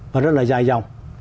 và rất là dài dòng